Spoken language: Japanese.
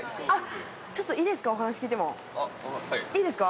ちょっといいですか？